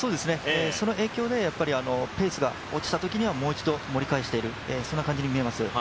その影響でペースが落ちたときにはもう一度盛り返している感じに見えます。